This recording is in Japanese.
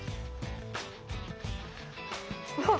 うわっ。